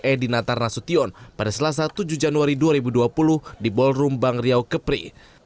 edi natar nasution pada selasa tujuh januari dua ribu dua puluh di ballrumbang riau kepri